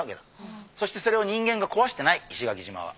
そしてそれを人間が壊してない石垣島は。